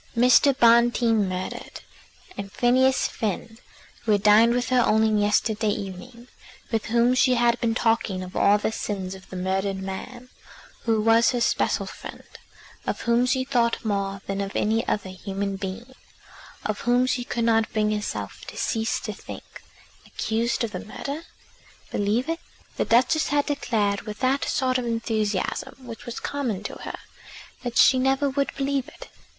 Mr. Bonteen murdered, and Phineas Finn, who had dined with her only yesterday evening, with whom she had been talking of all the sins of the murdered man, who was her special friend, of whom she thought more than of any other human being, of whom she could not bring herself to cease to think, accused of the murder! Believe it! The Duchess had declared with that sort of enthusiasm which was common to her, that she never would believe it.